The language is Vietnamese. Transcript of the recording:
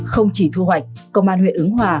không chỉ thu hoạch công an huyện ứng hòa